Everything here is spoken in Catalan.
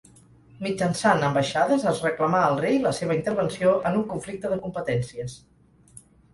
Mitjançant ambaixades es reclamà al rei la seva intervenció en un conflicte de competències.